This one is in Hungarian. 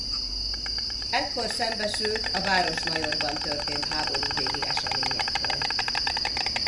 Ekkor szembesült a Városmajorban történt háború végi eseményekről.